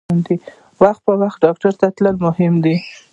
وخت په وخت ډاکټر ته تلل مهم دي.